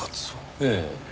ええ。